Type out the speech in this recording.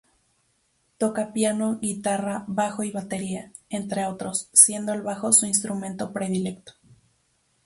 Toca piano, guitarra, bajo y batería, entre otros, siendo el bajo su instrumento predilecto.